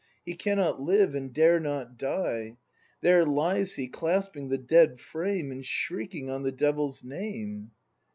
He cannot live, and dare not die! There lies he, clasping the dead frame, And shrieking on the Devil's name!